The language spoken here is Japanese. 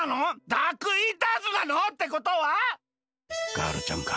ダークイーターズなの？ってことはガールちゃんか。